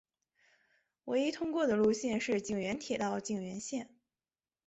唯一通过的路线是井原铁道井原线。